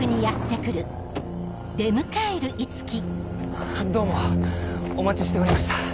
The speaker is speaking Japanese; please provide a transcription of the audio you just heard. あっどうもお待ちしておりました。